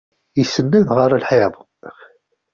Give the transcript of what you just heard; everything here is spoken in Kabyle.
Isenned ɣer lḥiḍ.